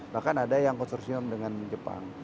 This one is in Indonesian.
bahkan ada yang konsorsium dengan jepang